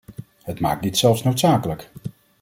Het maakt dit zelfs noodzakelijk.